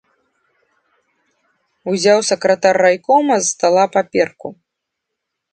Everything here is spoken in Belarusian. Узяў сакратар райкома з стала паперку.